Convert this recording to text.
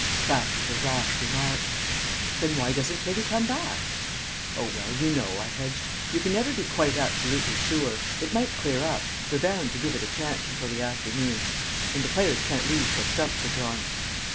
That was a rash remark. "Then why doesn't Teddy come back?" "Oh, well, you know," I hedged, "you can never be quite absolutely sure. It might clear up. They're bound to give it a chance until the afternoon. And the players can't leave till stumps are drawn."